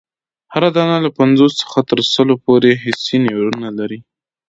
هره دانه له پنځوسو څخه تر سلو پوري حسي نیورونونه لري.